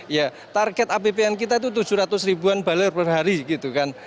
ya target apbn kita itu tujuh ratus ribuan ball per hari gitu kan